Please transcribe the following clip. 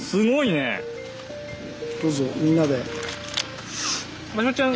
どうぞみんなで。